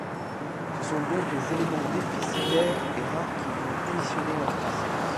Ce sont donc les éléments déficitaires et rares qui vont conditionner la croissance.